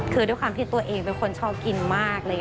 คือด้วยความที่ตัวเองเป็นคนชอบกินมาก